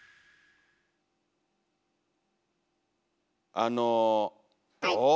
あのおお？